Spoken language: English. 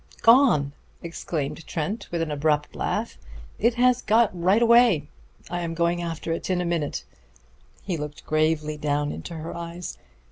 "Gone!" exclaimed Trent with an abrupt laugh. "It has got right away! I am going after it in a minute." He looked gravely down into her eyes.